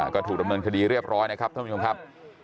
ก็ถูกดำเนินคดีเรียบร้อยนะครับท่านผู้ชมครับ